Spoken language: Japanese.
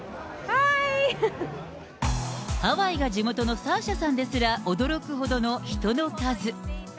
ハワイが地元のサーシャさんですら驚くほどの人の数。